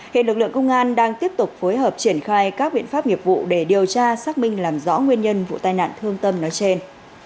hiện lực lượng công an đang tiếp tục phối hợp triển khai các biện pháp nghiệp vụ để điều tra xác minh làm rõ nguyên nhân vụ tai nạn thương tâm nói trên